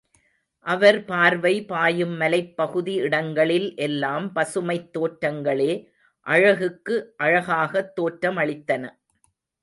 அவர் பார்வை பாயும் மலைப்பகுதி இடங்களில் எல்லாம் பசுமைத் தோற்றங்களே அழகுக்கு அழகாகத் தோற்றமளித்தன.